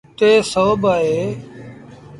ٽي سو با اهي۔